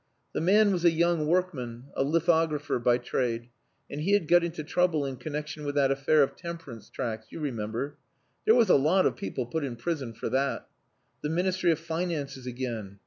The man was a young workman, a lithographer by trade, and he had got into trouble in connexion with that affair of temperance tracts you remember. There was a lot of people put in prison for that. The Ministry of Finances again!